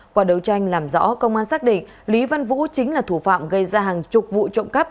qua đấu tranh làm rõ công an xác định lý văn vũ chính là thủ phạm gây ra hàng chục vụ trộm cắp